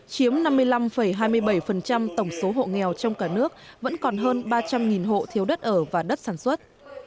chiếm năm mươi năm hai mươi bảy tổng số hộ nghèo trong cả nước vẫn còn hơn ba trăm linh hộ thiếu đất ở và đất sản xuất